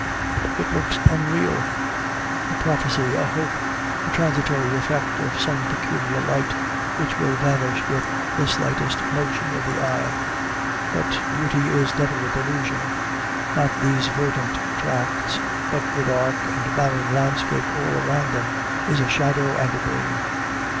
It looks unreal a prophecy, a hope, a transitory effect of some peculiar light, which will vanish with the slightest motion of the eye. But beauty is never a delusion; not these verdant tracts but the dark and barren landscape all around them is a shadow and a dream.